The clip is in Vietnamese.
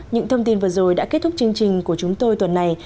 những thông tin vừa rồi đã kết thúc chương trình của chúng tôi tuần này